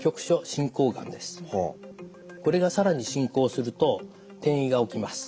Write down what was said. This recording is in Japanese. これが更に進行すると転移が起きます。